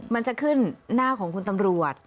มันจะขึ้นหน้าของคุณตำรวจ